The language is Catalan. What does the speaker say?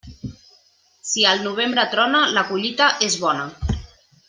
Si al novembre trona, la collita és bona.